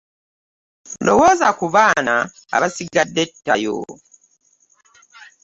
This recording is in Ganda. Lowooza ku baana abasigadde ttayo.